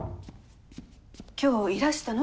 今日いらしたの？